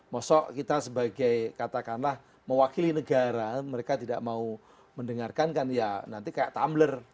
maksudnya kita sebagai katakanlah mewakili negara mereka tidak mau mendengarkan kan ya nanti kayak tumbler